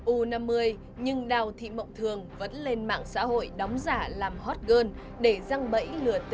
u năm mươi nhưng đào thị mộng thường vẫn lên mạng xã hội đóng giả làm hotgirl để răng bậy